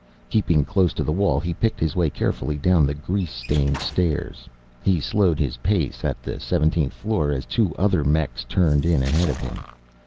Keeping close to the wall, he picked his way carefully down the grease stained stairs. He slowed his pace at the 17th floor as two other mechs turned in ahead of him.